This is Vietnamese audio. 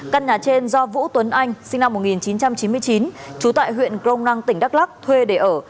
căn nhà trên do vũ tuấn anh sinh năm một nghìn chín trăm chín mươi chín trú tại huyện crom năng tỉnh đắk lắc thuê để ở